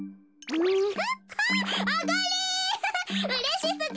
うれしすぎる！